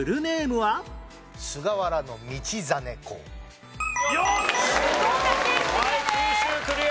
はい九州クリア。